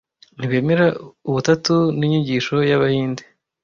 ntibemera Ubutatu n’inyigisho y’Abahinde